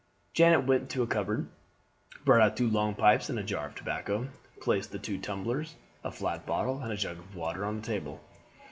Janet went to a cupboard, brought out two long pipes and a jar of tobacco, placed two tumblers, a flat bottle, and a jug of water on the table.